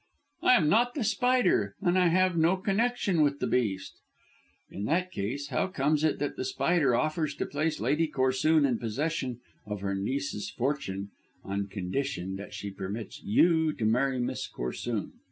"I am not The Spider, and I have no connection with the beast." "In that case how comes it that The Spider offers to place Lady Corsoon in possession of her niece's fortune on condition that she permits you to marry Miss Corsoon?"